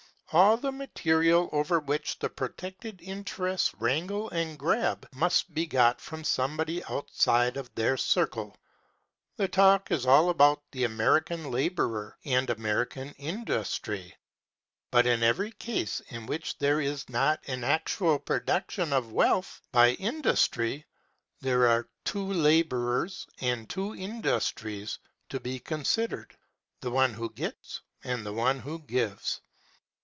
All the material over which the protected interests wrangle and grab must be got from somebody outside of their circle. The talk is all about the American laborer and American industry, but in every case in which there is not an actual production of wealth by industry there are two laborers and two industries to be considered the one who gets and the one who gives.